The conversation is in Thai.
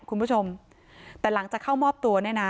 คุณผู้ชมแต่หลังจากเข้ามอบตัวเนี่ยนะ